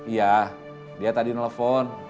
iya dia tadi telepon